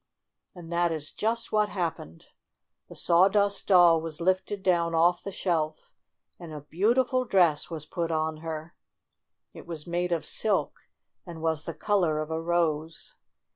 And that is just what happened. The Sawdust Doll was lifted down off the shelf, and a beautiful dress was put on her. It was made of silk, and was the color of a rose.